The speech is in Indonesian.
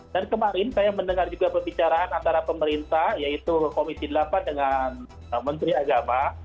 dan kemarin saya mendengar juga perbicaraan antara pemerintah yaitu komisi delapan dengan menteri agama